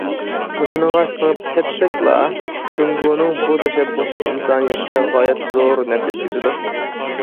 مۇشۇنىڭغا سىڭىپ كەتسەكلا، جۇڭگونىڭ بۇ تەشەببۇسى ئىنسانىيەتكە غايەت زور نەپ يەتكۈزىدۇ.